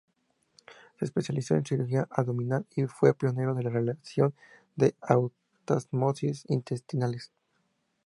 Se especializó en cirugía abdominal y fue pionero en la realización de anastomosis intestinales.